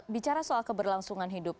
bicara soal keberlangsungan hidup